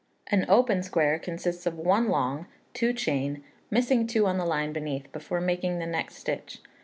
An open square consists of one L, two Ch, missing two on the line beneath, before making the next stitch.